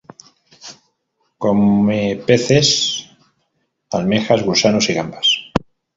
Come peces, almejas, gusanos y gambas.